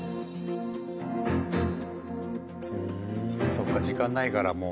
そっか時間ないからもう。